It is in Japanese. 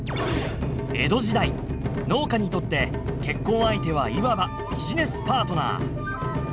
「江戸時代農家にとって結婚相手はいわばビジネスパートナー。